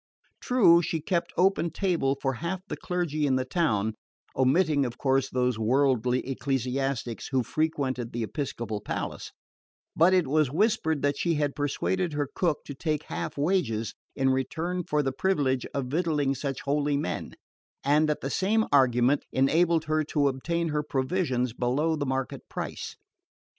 True, she kept open table for half the clergy in the town (omitting, of course, those worldly ecclesiastics who frequented the episcopal palace), but it was whispered that she had persuaded her cook to take half wages in return for the privilege of victualling such holy men, and that the same argument enabled her to obtain her provisions below the market price.